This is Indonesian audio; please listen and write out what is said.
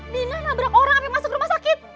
dina nabrak orang sampai masuk rumah sakit